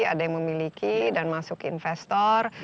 ada yang memiliki dan masuk investor